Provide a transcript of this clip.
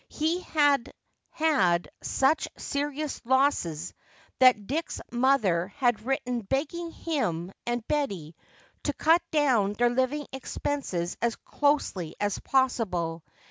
He had had such serious losses that Dick's mother had written begging him and Betty to cut down their living expenses as closely as possible.